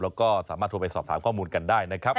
แล้วก็สามารถโทรไปสอบถามข้อมูลกันได้นะครับ